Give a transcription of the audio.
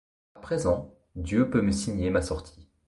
À présent Dieu peut me signer ma sortie.